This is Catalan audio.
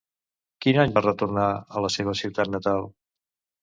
Quin any va retornar a la seva ciutat natal?